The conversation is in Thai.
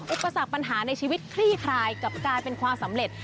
อุปสรรคปัญหาในชีวิตคลี่คลายกลับกลายเป็นความสำเร็จ